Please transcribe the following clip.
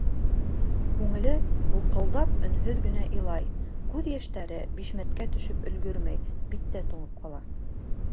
Күңеле һулҡылдап өнһөҙ генә илай, күҙ йәштәре, бишмәткә төшөп өлгөрмәй, биттә туңып ҡала.